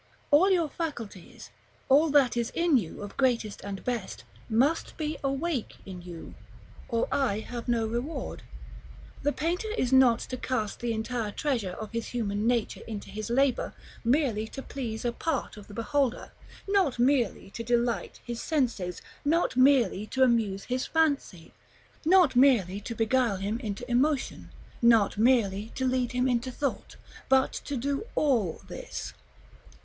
All your faculties, all that is in you of greatest and best, must be awake in you, or I have no reward. The painter is not to cast the entire treasure of his human nature into his labor, merely to please a part of the beholder: not merely to delight his senses, not merely to amuse his fancy, not merely to beguile him into emotion, not merely to lead him into thought, but to do all this.